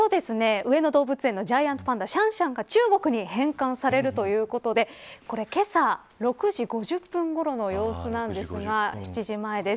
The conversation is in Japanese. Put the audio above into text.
上野動物園のジャイアントパンダシャンシャンが中国に返還されるということでけさ６時５０分ごろの様子なんですが７時前です。